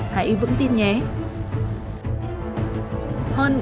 hãy vững tin nhé